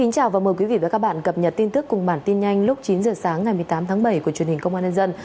chào mừng quý vị đến với bản tin nhanh lúc chín h sáng ngày một mươi tám tháng bảy của truyền hình công an nhân dân